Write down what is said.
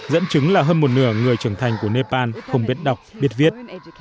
dẫn chứng là hơn một nửa người trưởng thành của nepal không biết đọc biết viết